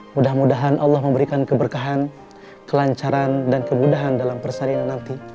mudah mudahan allah memberikan keberkahan kelancaran dan kemudahan dalam persalinan nanti